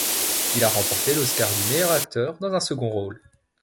Il a remporté l'Oscar du meilleur acteur dans un second rôle.